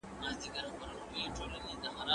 ایا مکتب جوړ شو؟